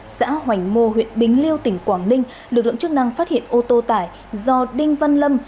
xã hoành mô huyện bình liêu tỉnh quảng ninh lực lượng chức năng phát hiện ô tô tải do đinh văn lâm